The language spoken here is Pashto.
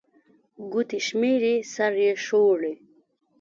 ګوتي شمېري، سر يې ښوري